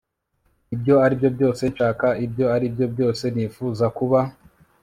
ibyo aribyo byose nshaka. ibyo aribyo byose nifuza kuba